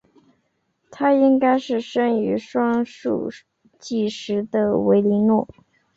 她应该是生于双树纪时的维林诺。